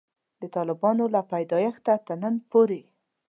د طالبانو له پیدایښته تر ننه پورې.